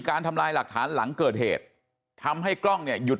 ทำลายหลักฐานหลังเกิดเหตุทำให้กล้องเนี่ยหยุด